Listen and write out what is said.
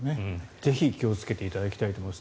ぜひ気をつけていただきたいと思います。